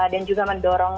dan juga mendorong